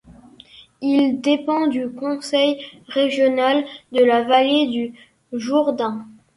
Il dépend du conseil régional de la vallée du Jourdain.